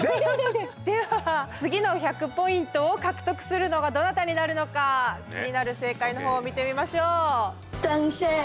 では次の１００ポイントを獲得するのがどなたになるのか気になる正解の方を見てみましょう。